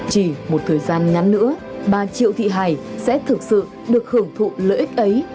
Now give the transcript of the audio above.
chỉ một thời gian nhắn nữa ba triệu thị hải sẽ thực sự được hưởng thụ lợi ích ấy